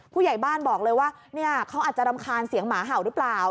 ผู้ใหญ่บ้านบอกเลยว่าเขาอาจจะรำคาญเสียงหมาเห่าหรือเปล่า